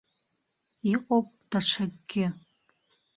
Иҟоуп даҽакгьы.